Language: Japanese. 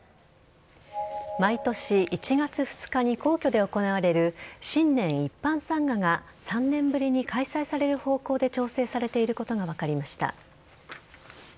毎年１月２日に皇居で行われる新年一般参賀が３年ぶりに開催される方向で調整されていることが分かりました。